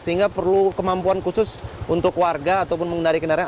sehingga perlu kemampuan khusus untuk warga ataupun mengendari kendaraan